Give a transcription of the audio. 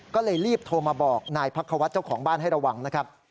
ก็เลยรีบโทรมาบอกนายพักควัฒน์เจ้าของบ้านให้ระวังนะครับ